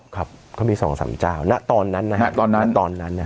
ครับเขามีสองสามเจ้าณตอนนั้นนะฮะตอนนั้นตอนนั้นเนี่ย